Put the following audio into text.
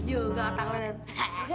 juga tak leher